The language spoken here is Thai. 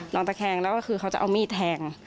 ตะแคงแล้วก็คือเขาจะเอามีดแทง